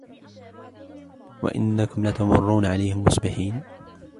وَإِنَّكُمْ لَتَمُرُّونَ عَلَيْهِمْ مُصْبِحِينَ